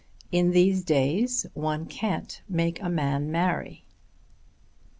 "IN THESE DAYS ONE CAN'T MAKE A MAN MARRY."